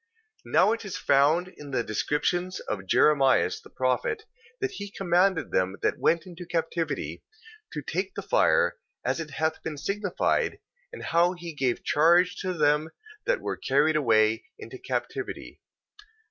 Now it is found in the descriptions of Jeremias, the prophet, that he commanded them that went into captivity, to take the fire, as it hath been signified, and how he gave charge to them that were carried away into captivity.